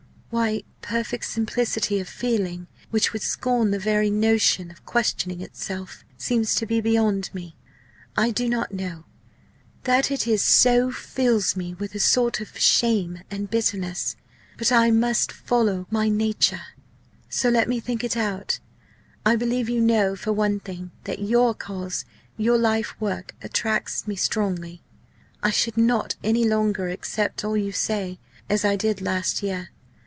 Why perfect simplicity of feeling which would scorn the very notion of questioning itself seems to be beyond me, I do not know. That it is so fills me with a sort of shame and bitterness. But I must follow my nature. "So let me think it out. I believe you know, for one thing, that your 'cause,' your life work, attracts me strongly. I should not any longer accept all you say, as I did last year.